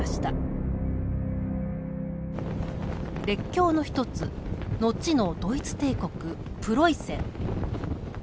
列強の一つ後のドイツ帝国プロイセン。